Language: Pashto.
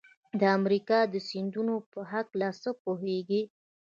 د امریکا د سیندونو په هلکه څه پوهیږئ؟